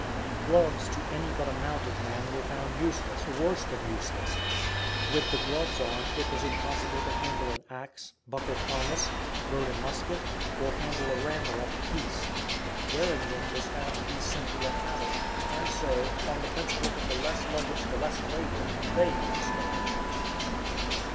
Gloves to any but a mounted man were found useless, worse than useless. With the gloves on, it was impossible to handle an axe, buckle harness, load a musket, or handle a rammer at the piece. Wearing them was found to be simply a habit, and so, on the principle that the less luggage the less labor, they were discarded.